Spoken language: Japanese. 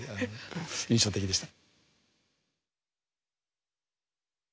印象的でした。